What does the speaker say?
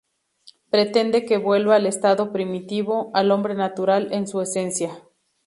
Pretende que vuelva al estado primitivo, al hombre natural en su esencia.